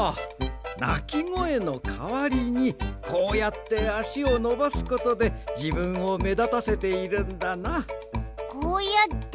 なきごえのかわりにこうやってあしをのばすことでじぶんをめだたせているんだな。